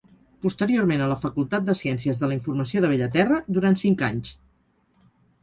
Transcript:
Posteriorment a la facultat de Ciències de la Informació de Bellaterra, durant cinc anys.